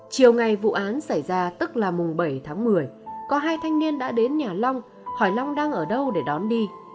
chiều ngày vụ án xảy ra tức là mùng bảy tháng một mươi có hai thanh niên đã đến nhà long hỏi long đang ở đâu để đón đi